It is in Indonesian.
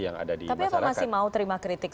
yang ada tapi apa masih mau terima kritik